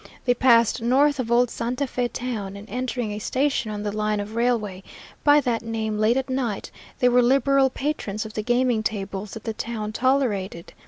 They passed north of old Santa Fé town, and entering a station on the line of railway by that name late at night, they were liberal patrons of the gaming tables that the town tolerated.